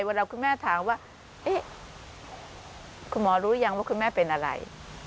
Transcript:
เวลาคุณแม่ถามว่าเอ๊ะคุณหมอรู้หรือยังว่าคุณแม่เป็นอะไร